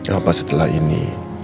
apa setelah ini